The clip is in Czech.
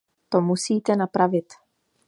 To musíte napravit.